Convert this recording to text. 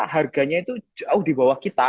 harganya itu jauh di bawah kita